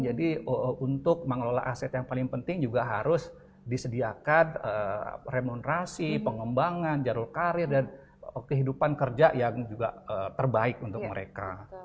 jadi untuk mengelola aset yang paling penting juga harus disediakan remunerasi pengembangan jarum karir dan kehidupan kerja yang juga terbaik untuk mereka